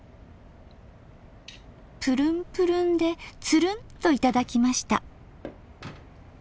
プルンプルンでツルンと頂きました。